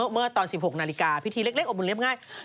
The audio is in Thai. เมื่อตอน๑๖นาฬิกาพิธีเล็กอบอุ่นเรียบง่าย